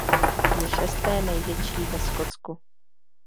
Je šesté největší ve "Skotsku".